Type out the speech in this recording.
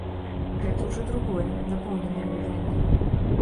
Гэта ўжо другое, дапоўненае выданне.